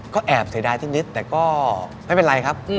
ก็แอบเจอได้นิดแต่ก็ไม่เป็นไรครับ